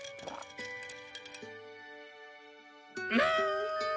うん！